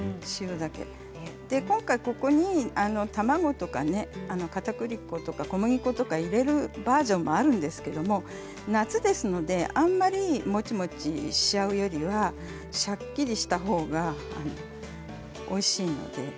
今回、ここに卵とかねかたくり粉とか小麦粉とか入れるバージョンもあるんですけれど夏ですからあまりもちもちしてるよりはシャッキリしたほうがおいしいのでね